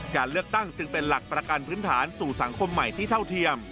การเลือกตั้งจึงเป็นหลักประกันพื้นฐานสู่สังคมใหม่ที่เท่าเทียม